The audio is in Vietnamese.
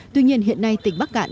tuy nhiên hiện nay tỉnh bắc cạn